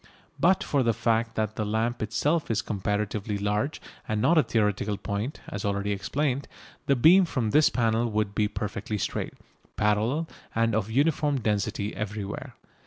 But for the fact that the lamp itself is comparatively large and not a theoretical point, as already explained, the beam from this panel would be perfectly straight, parallel, and of uniform density everywhere.